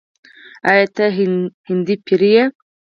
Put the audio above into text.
“آیا ته هندی پیر یې؟”